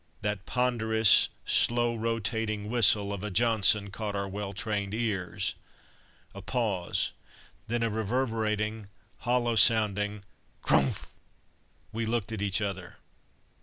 That ponderous, slow rotating whistle of a "Johnson" caught our well trained ears; a pause! then a reverberating, hollow sounding "crumph!" We looked at each other.